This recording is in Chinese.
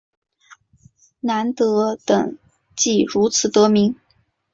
南德等即如此得名。